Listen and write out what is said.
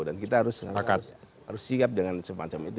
dan kita harus siap dengan semacam itu